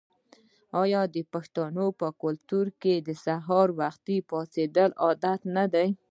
آیا د پښتنو په کلتور کې سهار وختي پاڅیدل عادت نه دی؟